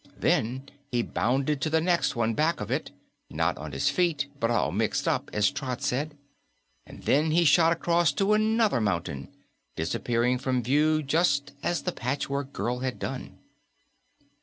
Then he bounded to the next one back of it not on his feet, but "all mixed up," as Trot said and then he shot across to another mountain, disappearing from view just as the Patchwork Girl had done.